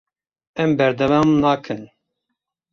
Em berdewam nakin.